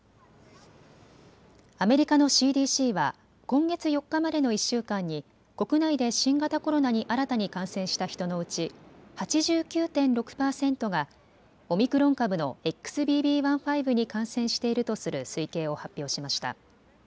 アメリカのＣＤＣは今月４日までの１週間に国内で新型コロナに新たに感染した人のうち８９．６％がオミクロン株のＸＢＢ．１．５に感染しているとする推計を発表しました。